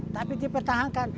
tapi dia pertahankan